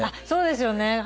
そうですよね。